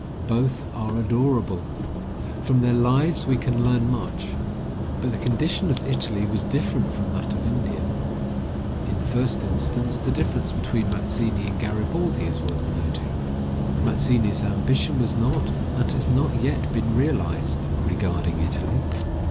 Both are adorable; from their lives we can learn much. But the condition of Italy was different from that of India. In the first instance the difference between Mazzini and Garibaldi is worth noting. Mazzini's ambition was not, and has not yet been realised, regarding Italy.